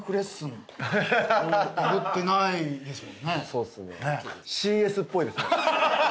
そうっすね。